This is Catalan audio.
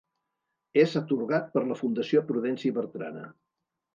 És atorgat per la Fundació Prudenci Bertrana.